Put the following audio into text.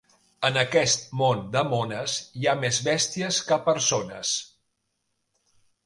En aquest món de mones hi ha més bèsties que persones.